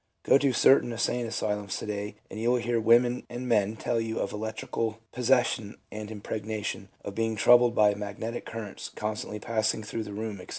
Go to certain insane asylums to day and you will hear women and men tell you of "electrical" possession and impregnation, of being troubled by magnetic currents constantly passing through the room, etc.